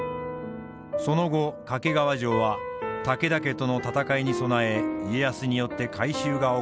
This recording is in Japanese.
その後掛川城は武田家との戦いに備え家康によって改修が行われました。